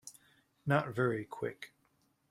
Not very Quick.